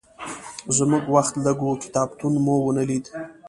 زموږ وخت لږ و، کتابتون مو ونه لید.